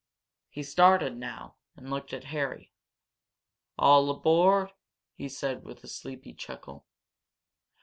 He started now, and looked at Harry. "All aboard!" he said, with a sleepy chuckle.